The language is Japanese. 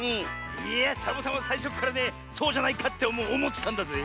いやサボさんはさいしょっからねそうじゃないかっておもってたんだぜえ。